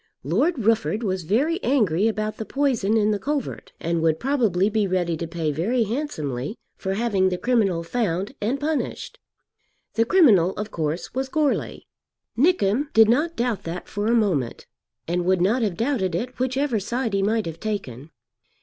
Lord Rufford was very angry about the poison in the covert and would probably be ready to pay very handsomely for having the criminal found and punished. The criminal of course was Goarly. Nickem did not doubt that for a moment, and would not have doubted it whichever side he might have taken.